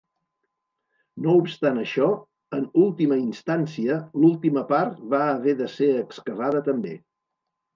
No obstant això, en última instància, l'última part va haver de ser excavada també.